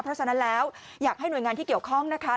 เพราะฉะนั้นแล้วอยากให้หน่วยงานที่เกี่ยวข้องนะคะ